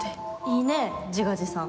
いいね、自画自賛。